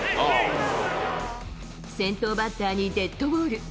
先頭バッターにデッドボール。